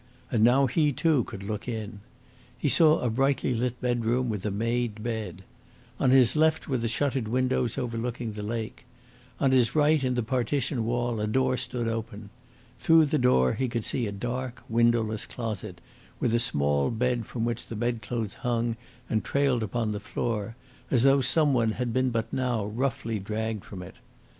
And now he too could look in. He saw a brightly lit bedroom with a made bed. On his left were the shuttered windows overlooking the lake. On his right in the partition wall a door stood open. Through the door he could see a dark, windowless closet, with a small bed from which the bedclothes hung and trailed upon the floor, as though some one had been but now roughly dragged from it.